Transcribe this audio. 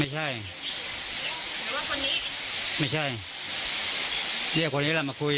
ไม่ใช่หรือว่าคนนี้ไม่ใช่เรียกคนนี้แล้วมาคุย